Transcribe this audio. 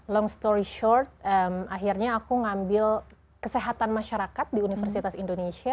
long story short akhirnya aku ngambil kesehatan masyarakat di universitas indonesia